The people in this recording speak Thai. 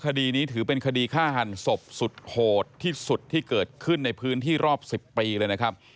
คดีนี้ถือเป็นคดีฆ่าหันศพสุดโหดที่สุดที่เกิดขึ้นในพื้นที่รอบ๑๐ปีเลยนะครับ